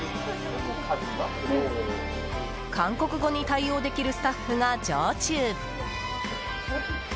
韓国語に対応できるスタッフが常駐。